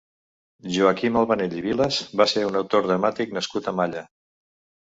Joaquim Albanell i Vilas va ser un autor dramàtic nascut a Malla.